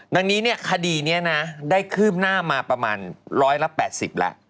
ดังนั้นเนี่ยคดีนี้นะได้คืบหน้ามาประมาณ๑๘๐แล้ว